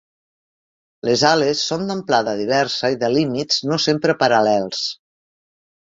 Les ales són d'amplada diversa i de límits no sempre paral·lels.